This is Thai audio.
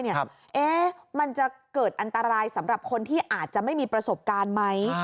มันจะเกิดอันตรายสำหรับคนที่อาจจะไม่มีประสบการณ์ไหม